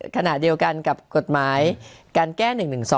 ขณะเดียวกันกับกฎหมายการแก้๑๑๒